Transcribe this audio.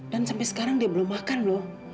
dan sampai sekarang dia belum makan loh